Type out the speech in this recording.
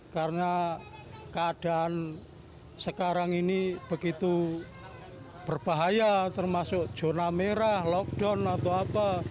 karena keadaan sekarang ini begitu berbahaya termasuk zona merah lockdown atau apa